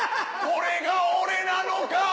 これが俺なのか！